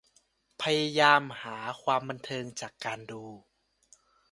พยายามหาความบันเทิงจากการดู